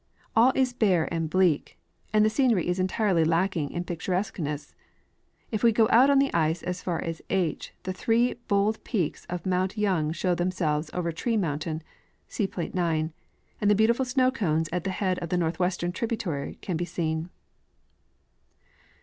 All is bare and bleak, and the scenery is entirely lacking in picturesqueness. If we go out on the ice as far as H the three bold peaks of mount Young show themselves over Tree mountain (see plate 9), and the beautiful Snow cones at the head of the northwestern tributaiy can be seen.